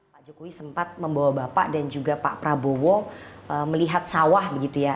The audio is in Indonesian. pak jokowi sempat membawa bapak dan juga pak prabowo melihat sawah begitu ya